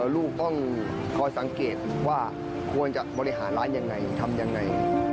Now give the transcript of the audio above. ลูกต้องคอยสังเกตว่าควรจะบริหารร้านยังไงทำยังไง